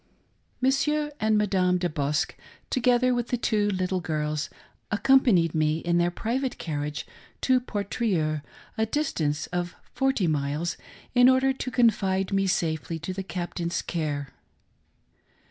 Monsieur and Madame De Bosque, together with the two little girls, accompanied me in their private carriage to Por trieux, a distance of forty miles, in order to confide me safely to the captain's care.